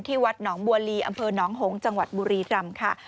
วัดหนองบัวลีอำเภอหนองหงษ์จังหวัดบุรีรำค่ะ